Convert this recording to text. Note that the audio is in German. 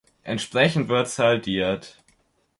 Entsprechend wird saldiert.